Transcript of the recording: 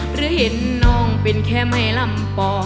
หรือเห็นน้องเป็นแค่ไม่ลำปอ